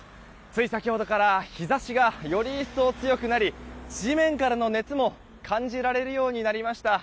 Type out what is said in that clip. つい先ほどから日差しがより一層強くなり地面からの熱も感じられるようになりました。